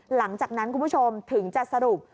หลังจากนั้นคุณผู้ชมถึงจะสรุป